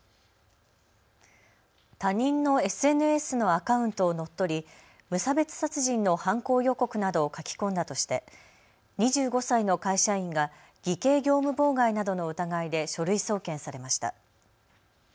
他人のＳＮＳのアカウントを乗っ取り無差別殺人の犯行予告などを書き込んだとして２５歳の会社員が偽計業務妨害などの疑いで書類送検されました。